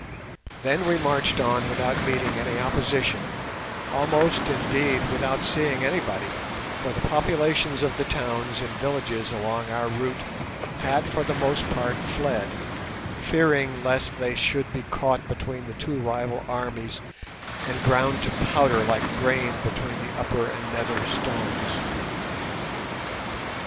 Then we marched on without meeting with any opposition, almost indeed without seeing anybody, for the populations of the towns and villages along our route had for the most part fled, fearing lest they should be caught between the two rival armies and ground to powder like grain between the upper and the nether stones.